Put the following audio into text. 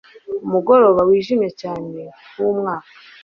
Umugoroba wijimye cyane wumwaka